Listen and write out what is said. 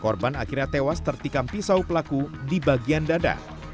korban akhirnya tewas tertikam pisau pelaku di bagian dada